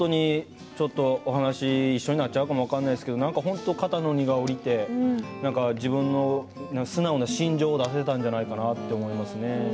お話、一緒になっちゃうかもしれないですけど本当に肩の荷が下りて自分の素直な心情を出せたんじゃないかなと思いますね。